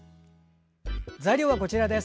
材料はこちらです。